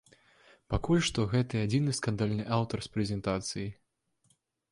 Пакуль што гэта адзіны скандальны аўтар з прэзентацыі.